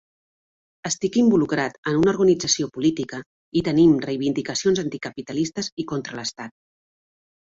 Estic involucrat en una organització política i tenim reivindicacions anticapitalistes i contra l’estat.